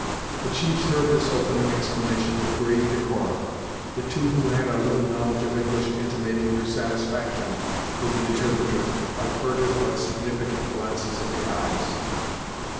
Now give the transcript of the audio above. The chiefs heard this opening explanation with grave decorum, the two who had a little knowledge of English intimating their satisfaction with the interpreter by furtive but significant glances of the eyes.